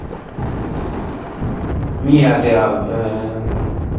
ნიადაგი წარმოდგენილია მოწითალო ფერის მერგელებითა და ქვიშებით.